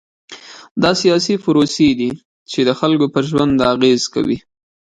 دا سیاسي پروسې دي چې د خلکو پر ژوند اغېز کوي.